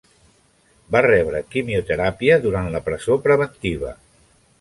Va rebre quimioteràpia durant la presó preventiva.